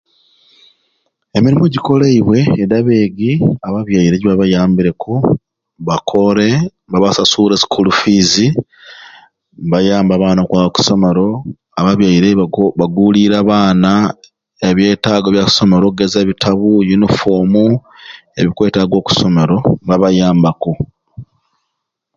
Emirumu egyikolebwe edi abaigi ababyere gyebabayambireku bakore mbabasasura e school fees mbayamba abaana okwaba oku somero ababyere ba babulirire abaana nebyetago bya somero okugeza ebitabu uniform ebikwetaga mbabayambaku